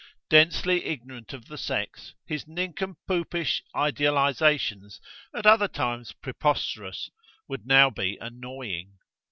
Densely ignorant of the sex, his nincompoopish idealizations, at other times preposterous, would now be annoying.